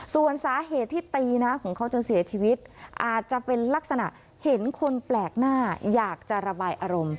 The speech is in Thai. ส่วนสาเหตุที่ตีน้าของเขาจนเสียชีวิตอาจจะเป็นลักษณะเห็นคนแปลกหน้าอยากจะระบายอารมณ์